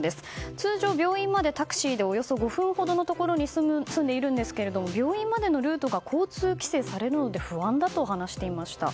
通常、病院までタクシーでおよそ５分ほどのところに住んでいるんですが病院までのルートが交通規制されるので不安だと話していました。